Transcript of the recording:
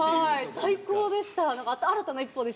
最高でした。